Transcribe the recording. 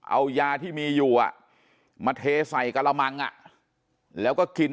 เอายาที่มีอยู่มาเทใส่กระมังแล้วก็กิน